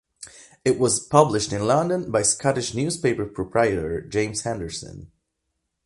It was published in London by Scottish newspaper proprietor James Henderson.